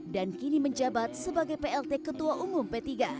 dan kini menjabat sebagai plt ketua umum p tiga